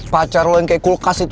pacar lo yang kayak kulkas itu